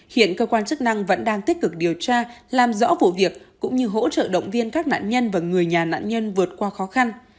hiện cơ quan chức năng vẫn đang tích cực điều tra làm rõ vụ việc cũng như hỗ trợ động viên các nạn nhân và người nhà nạn nhân vượt qua khó khăn